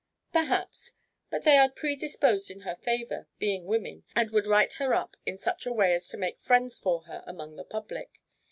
"Perhaps. But they are predisposed in her favour, being women, and would write her up in such a way as to make friends for her among the public.